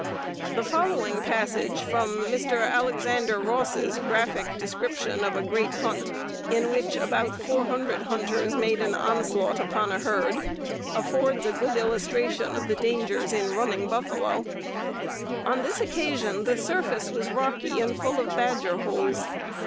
] The following passage from Mr. Alexander Ross's graphic description of a great hunt, in which about four hundred hunters made an onslaught upon a herd, affords a good illustration of the dangers in running buffalo: [Note 54: Red River Settlement, p. 256.] "On this occasion the surface was rocky and full of badger holes.